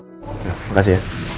terima kasih ya